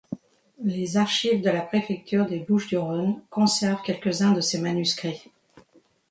Les archives de la préfecture des Bouches-du-Rhône conservent quelques-uns de ses manuscrits.